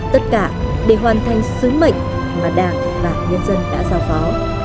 tất cả để hoàn thành sứ mệnh mà đảng và nhân dân đã giao phó